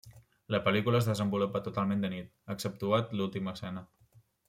La pel·lícula es desenvolupa totalment de nit, exceptuat l'última escena.